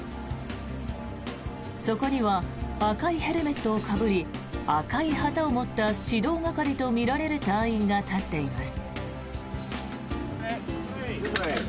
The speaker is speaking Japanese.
そこには赤いヘルメットをかぶり赤い旗を持った指導係とみられる隊員が立っています。